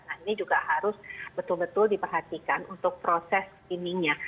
nah ini juga harus betul betul diperhatikan untuk proses screeningnya